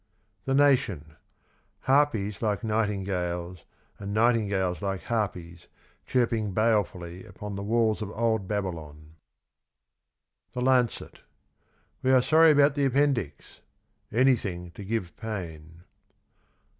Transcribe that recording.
The Nation.—'' Harpies like nightingales, and nightin gales like harpies, chirping balehdly upon the walls of old Babylon." The Lancet. —" We are sorry about the appendix !... Anything to give pain